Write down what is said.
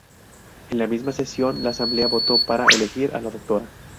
En la misma sesión, la Asamblea votó para elegir a la Dra.